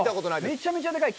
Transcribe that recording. めちゃめちゃでかい。